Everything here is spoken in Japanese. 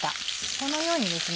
このようにですね